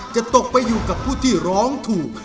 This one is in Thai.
จะตกไปอยู่กับผู้ที่ร้องถูก